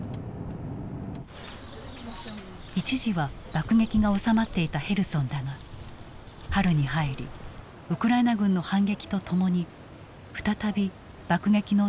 一時は爆撃が収まっていたヘルソンだが春に入りウクライナ軍の反撃とともに再び爆撃の音が聞こえるようになった。